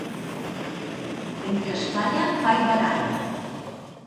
En Castalla, pa i baralla.